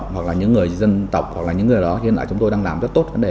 hoặc là những người lao động